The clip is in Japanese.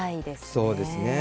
そうですね。